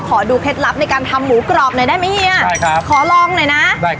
ดูเคล็ดลับในการทำหมูกรอบหน่อยได้ไหมเฮียใช่ครับขอลองหน่อยนะได้ครับ